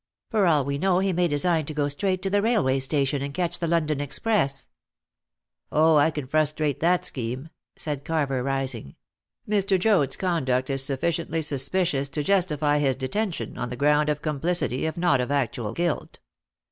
For all we know, he may design to go straight to the railway station and catch the London express." "Oh, I can frustrate that scheme," said Carver, rising. "Mr. Joad's conduct is sufficiently suspicious to justify his detention on the ground of complicity, if not of actual guilt.